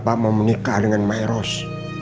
bapak mau menikah dengan mairos